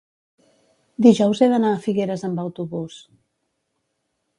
Dijous he d'anar a Figueres amb autobús.